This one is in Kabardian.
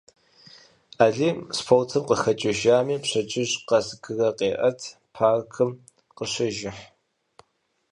Алим спортым къыхэкӏыжами, пщэдджыжь къэс гырэ къеӏэт, паркым къыщежыхь.